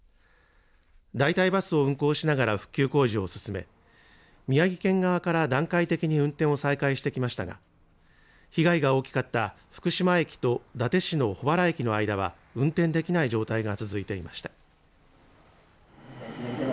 代替バスを運行しながら復旧工事を進め、宮城県側から段階的に運転を再開してきましたが、被害が大きかった福島駅と伊達市の保原駅の間は運転できない状態が続いていました。